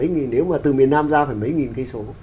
nếu mà từ miền nam ra phải mấy nghìn km